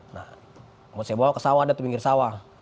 nah kalau saya bawa ke sawah dia tuh di pinggir sawah